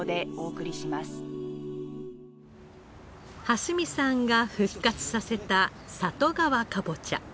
荷見さんが復活させた里川かぼちゃ。